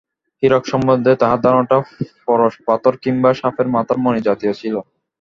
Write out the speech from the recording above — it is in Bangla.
হীরক সম্বন্ধে তাহার ধারণাটা পরশপাথর কিংবা সাপের মাথার মণি জাতীয় ছিল।